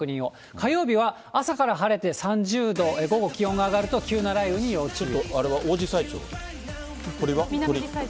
火曜日は朝から晴れて３０度、午後気温が上がると、急な雷雨に要注意。